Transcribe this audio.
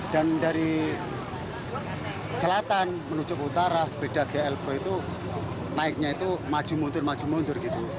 dan dari selatan menuju utara sepeda gl empat itu naiknya itu maju mundur maju mundur gitu